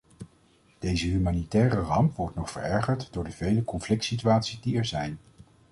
Deze humanitaire ramp wordt nog verergerd door de vele conflictsituaties die er zijn.